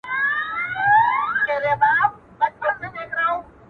نس مي موړ دی تن مي پټ دی اوښ مي بار دی٫